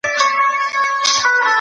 کله چې مړ شي بیا ژړا ګټه نلري.